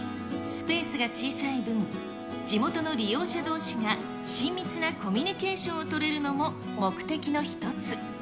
スペースが小さい分、地元の利用者どうしが親密なコミュニケーションを取れるのも、目的の一つ。